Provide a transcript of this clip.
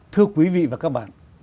thưa quý vị và các bạn